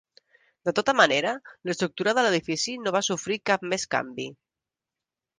De tota manera, l’estructura de l’edifici no va sofrir cap més canvi.